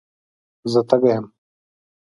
زه تږي یم.